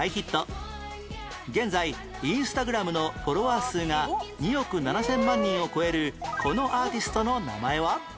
現在インスタグラムのフォロワー数が２億７０００万人を超えるこのアーティストの名前は？